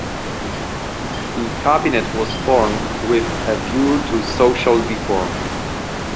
The cabinet was formed with a view to social reform.